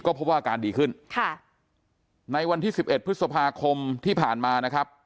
พบว่าอาการดีขึ้นค่ะในวันที่สิบเอ็ดพฤษภาคมที่ผ่านมานะครับ